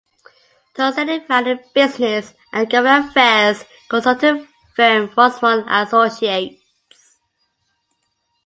Torricelli founded business and government affairs consulting firm Rosemont Associates.